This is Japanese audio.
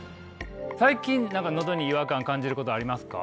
最近何かのどに違和感感じることありますか？